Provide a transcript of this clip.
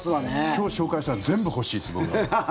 今日紹介したもの全部欲しいですね。